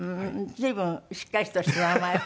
随分しっかりした名前を。